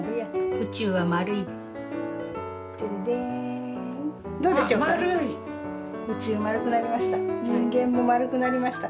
宇宙丸くなりました。